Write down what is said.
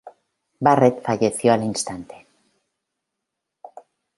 Barrett falleció al instante.